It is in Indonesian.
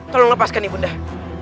tolong aku ibu undah